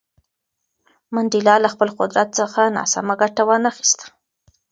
منډېلا له خپل قدرت څخه ناسمه ګټه ونه خیسته.